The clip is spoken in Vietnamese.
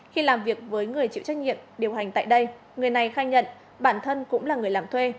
khi làm việc với người chịu trách nhiệm điều hành tại đây người này khai nhận bản thân cũng là người làm thuê